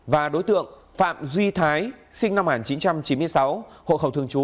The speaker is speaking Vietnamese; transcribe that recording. và đối tượng phạm duy thái sinh năm một nghìn chín trăm chín mươi sáu hộ khẩu thường trú